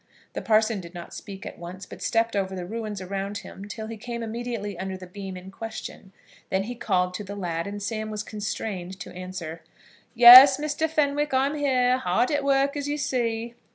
The parson did not speak at once, but stepped over the ruins around him till he came immediately under the beam in question. Then he called to the lad, and Sam was constrained to answer "Yes, Mr. Fenwick, I am here; hard at work, as you see."